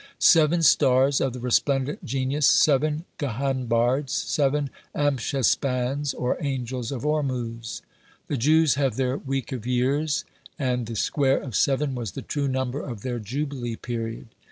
Seven stars of the resplendent genius, seven Gahanbards, seven Amschaspands or angels of Ormuz. The Jews have their week of years, and the square of seven was the true number of their jubilee period.